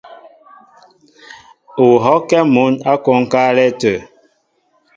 U hɔ́kɛ́ mǔn ǎ kwónkálɛ́ tə̂.